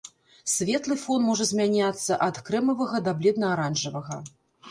Светлы фон можа змяняцца ад крэмавага да бледна-аранжавага.